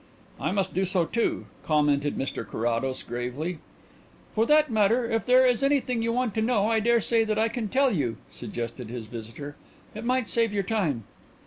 "I must do so too," commented Mr Carrados gravely. "For that matter, if there is anything you want to know, I dare say that I can tell you," suggested his visitor. "It might save your time."